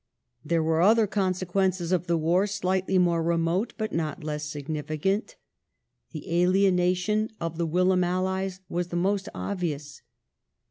There were other consequences of the war slightly more re Sequelae mote, but not less significant. The alienation of the whilom allies Crimean was the most obvious.